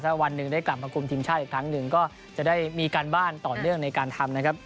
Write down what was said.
ถ้าวันหนึ่งได้กลับมาคุมทีมชาติอีกครั้งหนึ่งก็จะได้มีการบ้านต่อเนื่องในการทำนะครับ